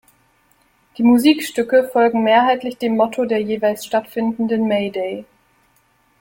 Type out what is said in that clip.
Die Musikstücke folgen mehrheitlich dem Motto der jeweils stattfindenden Mayday.